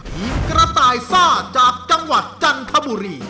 ทีมกระต่ายซ่าจากจังหวัดจันทบุรี